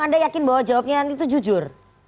anda yakin bahwa jawabnya itu jujur